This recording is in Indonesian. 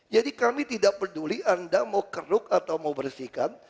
jadi kami tidak peduli anda mau keruk atau mau bersihkan